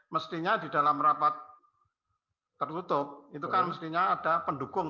mestinya di dalam rapat tertutup itu kan mestinya ada pendukung